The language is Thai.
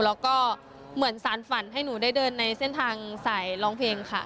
แล้วก็เหมือนสารฝันให้หนูได้เดินในเส้นทางสายร้องเพลงค่ะ